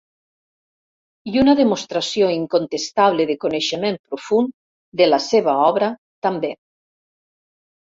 I una demostració incontestable de coneixement profund de la seva obra, també.